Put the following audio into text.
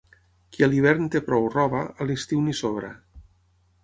Qui a l'hivern té prou roba, a l'estiu n'hi sobra.